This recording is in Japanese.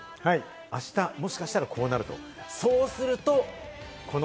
あした、もしかしたらこうなる。